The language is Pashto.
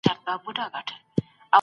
ما مخکي لا د خپل راتلونکي هدف ټاکلی و.